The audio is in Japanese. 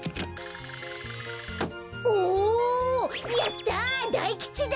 やった大吉だ！